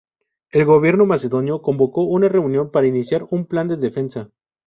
El gobierno macedonio convocó una reunión para iniciar un plan de defensa.